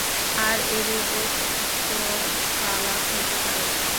আর এরূপ বস্তু ফালাক হতে পারে না।